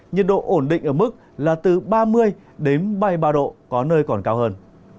nhiệt độ ổn định ở mức là từ ba mươi đến ba mươi ba độ có nơi còn cao hơn